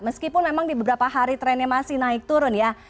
meskipun memang di beberapa hari trennya masih naik turun ya